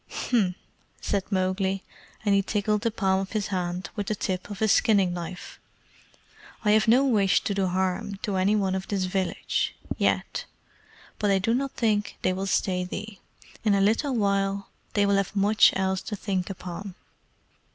"H'm!" said Mowgli, and he tickled the palm of his hand with the tip of his skinning knife; "I have no wish to do harm to any one of this village YET. But I do not think they will stay thee. In a little while they will have much else to think upon.